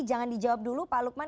jangan dijawab dulu pak lukman